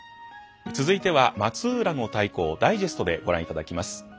続いては「松浦の太鼓」をダイジェストでご覧いただきます。